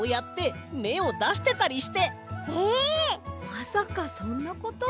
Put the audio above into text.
まさかそんなことが。